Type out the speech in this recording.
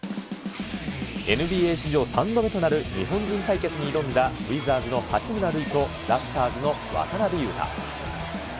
ＮＢＡ史上３度目となる日本人対決に挑んだウィザーズの八村塁とラプターズの渡邊雄太。